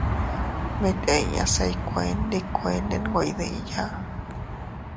Mit inña se iykuee ndi kuende nwe iydiya.